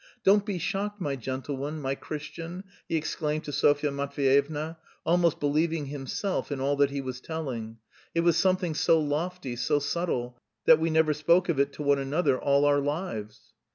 "Don't be shocked, my gentle one, my Christian," he exclaimed to Sofya Matveyevna, almost believing himself in all that he was telling, "it was something so lofty, so subtle, that we never spoke of it to one another all our lives."